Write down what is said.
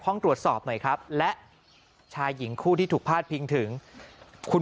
ห้องตรวจสอบหน่อยครับและชายหญิงคู่ที่ถูกพาดพิงถึงคุณ